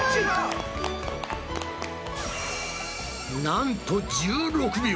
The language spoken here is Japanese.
なんと１６秒！